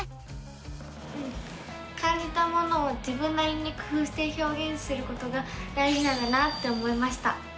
うん感じたものを自分なりに工ふうしてひょうげんすることが大じなんだなって思いました！